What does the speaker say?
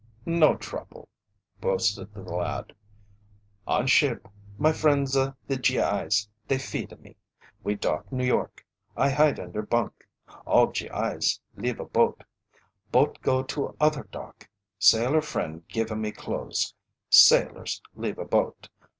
"No trouble," boasted the lad. "On ship my friendsa the G.I.'s they feeda me. We dock New York; I hide under bunk; all G.I.'s leava boat. Boat go to other dock. Sailor friend giva me clothes. Sailors leave a boat.